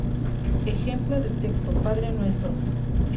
Ejemplo de texto: Padre nuestro